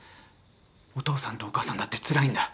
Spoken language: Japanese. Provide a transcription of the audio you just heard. お父さんとお母さんだってつらいんだ。